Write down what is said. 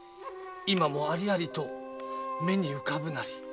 今もありありと目に浮かぶなり」。